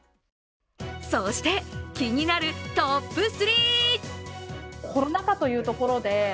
そして、気になるトップ３。